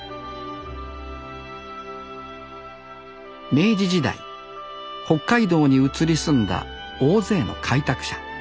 明治時代北海道に移り住んだ大勢の開拓者。